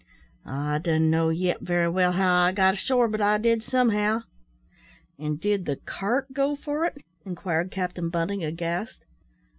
I dun know yet very well how I got ashore, but I did somehow " "And did the cart go for it?" inquired Captain Bunting, aghast.